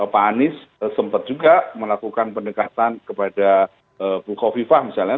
pak anies sempat juga melakukan pendekatan kepada bukowifah misalnya